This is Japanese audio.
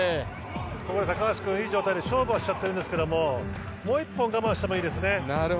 高橋君、いい状態で勝負してるんですけどもう一歩我慢してもいいですね。